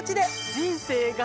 人生が。